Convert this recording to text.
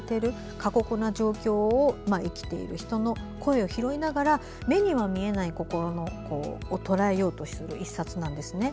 過酷な状況を生きている人の声を拾いながら目には見えない心をとらえようとする１冊です。